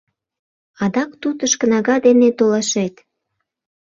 Адак тутыш кнага дене толашет...